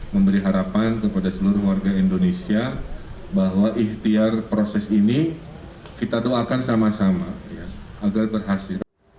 memberi harapan kepada seluruh warga indonesia bahwa ikhtiar proses ini kita doakan sama sama agar berhasil